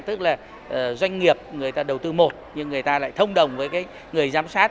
tức là doanh nghiệp người ta đầu tư một nhưng người ta lại thông đồng với người giám sát